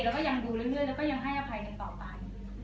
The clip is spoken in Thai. แล้วก็ยังดูเรื่อยแล้วก็ยังให้อภัยกันต่อไป